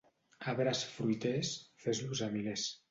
Arbres fruiters, fes-los a milers.